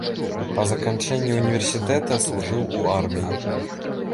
Па заканчэнні ўніверсітэта служыў у арміі.